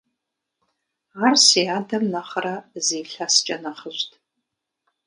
Ар си адэм нэхърэ зы илъэскӀэ нэхъыжьт.